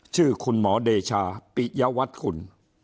ชื่อคุณหมอเดชาปิยวัตรคุณ